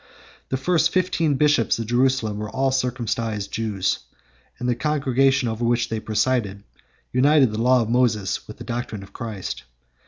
The first fifteen bishops of Jerusalem were all circumcised Jews; and the congregation over which they presided united the law of Moses with the doctrine of Christ.